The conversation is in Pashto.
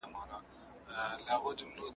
تاریخي واقعیتونه د پوهاند تجزیې ته اړتیا لري.